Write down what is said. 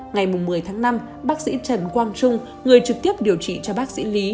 ngày một mươi tháng năm bác sĩ trần quang trung người trực tiếp điều trị cho bác sĩ lý